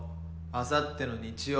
あさっての日曜。